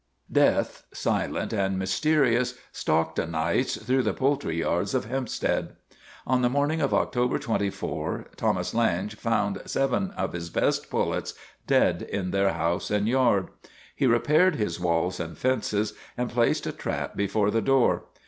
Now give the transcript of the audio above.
* Death, silent and mysterious, stalked o' nights through the poultry yards of Hempstead. On the morning of October 24 Thomas Lange found seven of his best pullets dead in their house and yard. He repaired his walls and fences and placed a trap be fore the door.